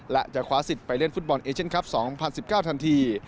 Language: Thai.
และจะคว้าสิทธิ์ไปเล่นฟุตบอลเอเชียนคลับ๒๐๑๙ทันที